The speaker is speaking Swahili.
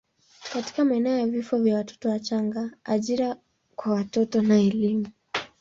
katika maeneo ya vifo vya watoto wachanga, ajira kwa watoto na elimu.